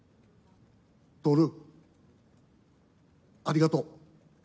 徹、ありがとう。